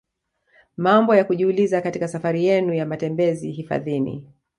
Mambo ya kujiuliza katika safari yenu ya matembezi hifadhini